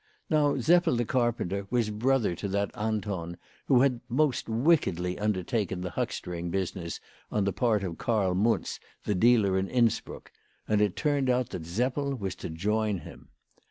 Now Seppel the carpenter was brother to that Anton who had most wickedly undertaken the huckstering business, on the part of Karl Muntz the dealer in Innsbruck, and it turned out that Seppel was to join him.